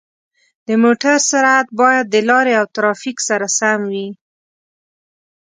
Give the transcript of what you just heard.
د موټر سرعت باید د لارې او ترافیک سره سم وي.